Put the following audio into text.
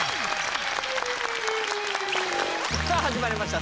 さあ始まりました